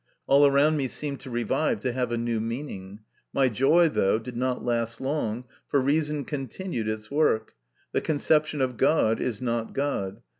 All around me seemed to revive, to have a new meaning. My joy, though, did not last long, for reason continued its work :" The conception of God is not God.